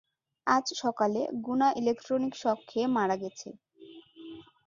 আজ সকালে, গুনা ইলেকট্রিক শক খেয়ে মারা গেছে।